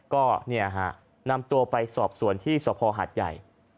ก็นำตัวไปสอบสวนที่สภหาดใหญ่